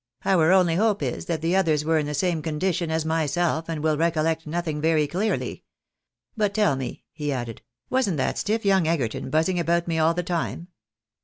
" Our only hope is that the others were in the same condition as myself, and will recollect nothing very clearly. But tell me," he added, " wasn't that stiff young Egerton buzzing about me all the time?